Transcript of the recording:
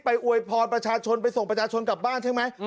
อวยพรประชาชนไปส่งประชาชนกลับบ้านใช่ไหม